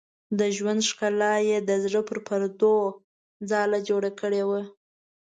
د ژوند ښکلا یې د زړه په پردو کې ځاله کړې وه.